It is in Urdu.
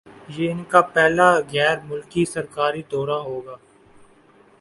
یہ ان کا پہلا غیرملکی سرکاری دورہ ہوگا